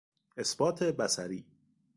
اثبات بصری